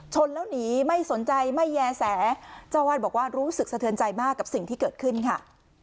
ชนแล้วหนีไม่สนใจไม่แย่แสเจ้าวาดบอกว่ารู้สึกสะเทือนใจมากกับสิ่งที่เกิดขึ้นค่ะ